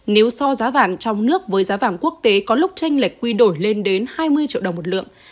nếu so giá vàng trong nước với giá vàng quốc tế có lúc tranh lệch quy đổi lên đến hai mươi triệu đồng một lượng